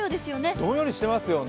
どんよりしてますよね。